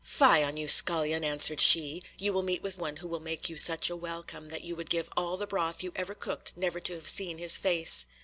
"Fie on you, Scullion," answered she. "You will meet with one who will make you such a welcome that you would give all the broth you ever cooked never to have seen his face."